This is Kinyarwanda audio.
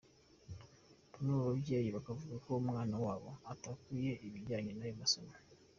Bamwe mu babyeyi bakavuga ko umwana wabo atakwiga ibijyanye n’ayo masomo.